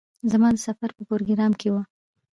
زما د سفر په پروگرام کې وه.